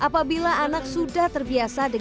tidak ada pestifen